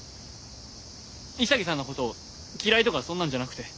潔さんのこと嫌いとかそんなんじゃなくて。